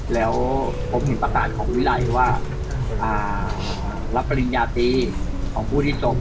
แล้วผมเห็นประกาศของวิรัยว่ารับปริญญาตรีของผู้ที่จบ